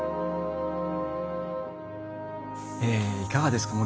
いかがですか？